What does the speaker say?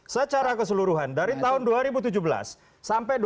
secara keseluruhan dari tahun dua ribu tujuh belas sampai dua ribu dua puluh dua